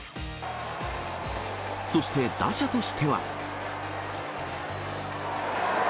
そして、打者としては。